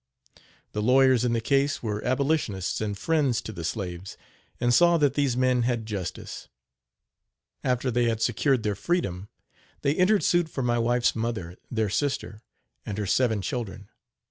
The lawyers in the case were abolitionists and friends to the slaves, and saw that these men had justice. After they had secured their freedom, they entered suit for my wife's mother, their sister, and her seven children.